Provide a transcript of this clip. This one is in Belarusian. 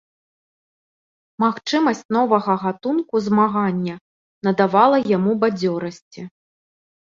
Магчымасць новага гатунку змагання надавала яму бадзёрасці.